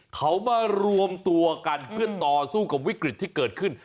เขามารวมตัวกันเพื่อต่อสู้กับวิกฤตที่เกิดขึ้น